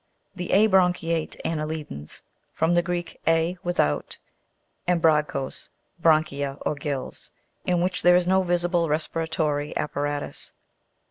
The abranchiate anne'lidans (from the Greek, a, without, and bragchos, branchia, or gills), in which there is no visible respiratory apparatus.